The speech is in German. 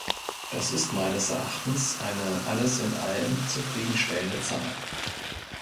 Das ist meines Erachtens eine alles in allem zufrieden stellende Zahl.